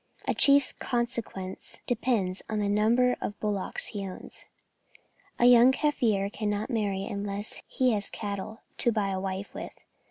A chief's consequence depends on the number of bullocks he owns. A young Kaffir cannot marry unless he has cattle to buy a wife with.